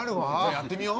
やってみよう。